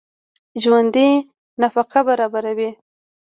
ژوندي نفقه برابروي